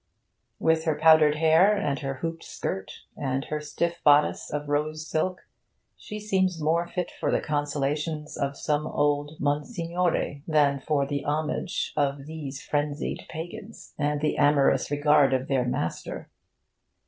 With her powdered hair and her hooped skirt and her stiff bodice of rose silk, she seems more fit for the consolations of some old Monsignore than for the homage of these frenzied Pagans and the amorous regard of their master.